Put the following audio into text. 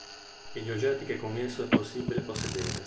E gli oggetti che con esso è possibile possedere.